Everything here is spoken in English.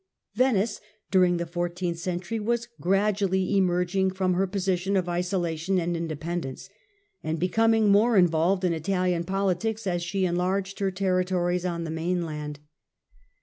^ Venice during the fourteenth century was gradually emerging from her position of isolation and indepen dence, and becoming more involved in Italian politics as she enlarged her territories on the mainland.